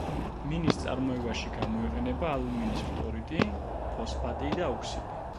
მინის წარმოებაში გამოიყენება ალუმინის ფტორიდი, ფოსფატი და ოქსიდი.